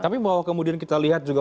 tapi mau kemudian kita lihat juga